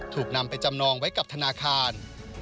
ถูกนำไปจำนองไว้กับธนาคาร